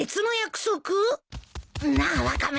なあワカメ。